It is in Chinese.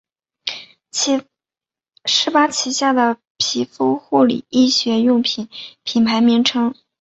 施巴旗下的皮肤护理医学用品品牌名称。